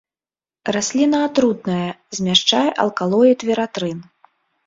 Расліна атрутная, змяшчае алкалоід вератрын.